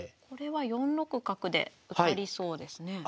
これは４六角で受かりそうですね。